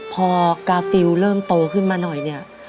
พอกาฟิลเริ่มโตขึ้นมาหน่อยเนี่ย